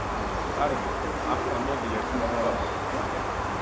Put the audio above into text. კარგი, ახლა მოდი ერთად გავაკეთოთ.